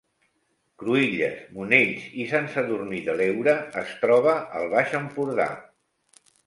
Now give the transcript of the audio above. Cruïlles, Monells i Sant Sadurní de l’Heura es troba al Baix Empordà